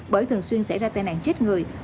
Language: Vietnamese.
bởi thường xuyên xảy ra tài nạn chết người